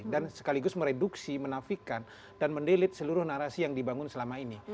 dan sekaligus mereduksi menafikan dan mendelit seluruh narasi yang dibangun selama ini